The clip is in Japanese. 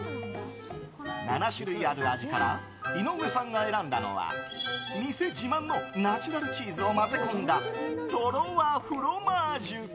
７種類ある味から井上さんが選んだのは店自慢のナチュラルチーズを混ぜ込んだトロワフロマージュ。